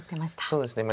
そうですね。